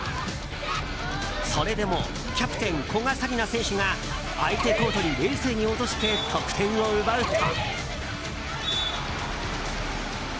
それでもキャプテン古賀紗理那選手が相手コートに冷静に落として得点を奪うと。